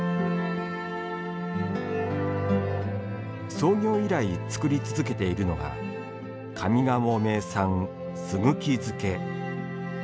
創業以来作り続けているのが上賀茂名産・すぐき漬け。